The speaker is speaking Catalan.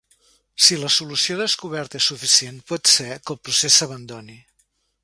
Si la solució descoberta és suficient, pot ser que el procés s'abandoni.